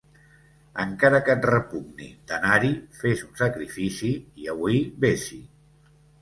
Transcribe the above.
Encara que et repugni d'anar-hi, fes un sacrifici i avui ves-hi.